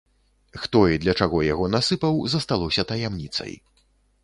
Хто і для чаго яго насыпаў, засталося таямніцай.